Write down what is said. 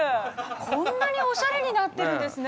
こんなにおしゃれになってるんですね